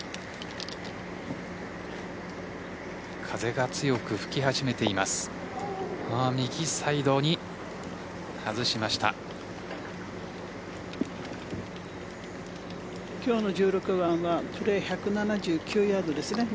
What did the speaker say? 風が強く吹き始めています。